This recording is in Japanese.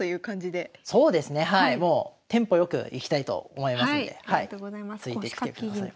はいもうテンポ良くいきたいと思いますんでついてきてください。